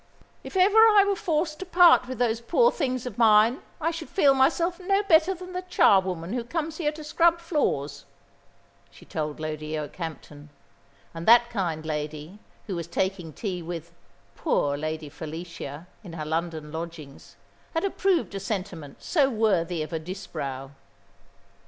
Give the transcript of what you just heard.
"If ever I were forced to part with those poor things of mine I should feel myself no better than the charwoman who comes here to scrub floors," she told Lady Okehampton, and that kind lady, who was taking tea with "poor Lady Felicia," in her London lodgings, had approved a sentiment so worthy of a Disbrowe.